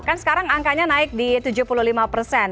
kan sekarang angkanya naik di tujuh puluh lima persen